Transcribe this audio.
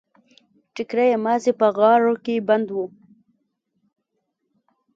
ټکری يې مازې په غاړه کې بند و.